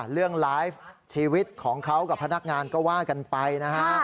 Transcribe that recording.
เรื่องไลฟ์ชีวิตของเขากับพนักงานก็ว่ากันไปนะฮะ